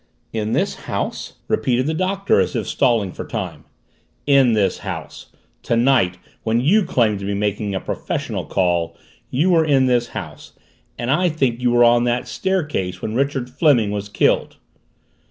"In this house?" repeated the Doctor as if stalling for time. "In this house! Tonight, when you claimed to be making a professional call, you were in this house and I think you were on that staircase when Richard Fleming was killed!"